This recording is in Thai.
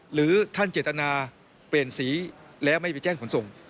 หรือท่านเจตนาเปลี่ยนสีแล้วไม่ไปแจ้งขนส่ง